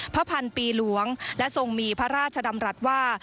พันปีหลวงและทรงมีพระราชดำรัฐว่า